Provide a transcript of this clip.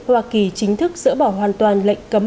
hoa kỳ chính thức dỡ bỏ hoàn toàn lệnh cấm